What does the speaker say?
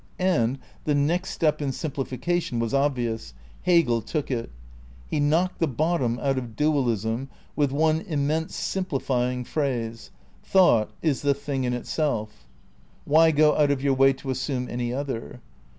And the next step in simplification was obvious. Hegel took it. He knocked the bottom out of dualism with one immense simplifying phrase: "Thought is the Thing in Itself"; why go out of your way to assume any other?